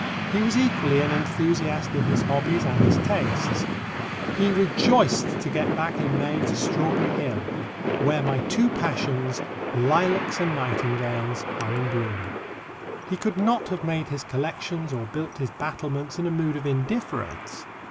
He was equally an enthusiast in his hobbies and his tastes. He rejoiced to get back in May to Strawberry Hill, "where my two passions, lilacs and nightingales, are in bloom." He could not have made his collections or built his battlements in a mood of indifference.